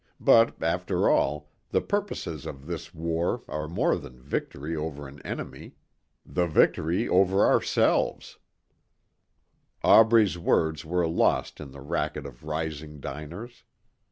But after all, the purposes of this war are more than victory over an enemy. The victory over ourselves " Aubrey's words were lost in the racket of rising diners.